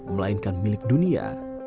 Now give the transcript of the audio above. melainkan milik dunia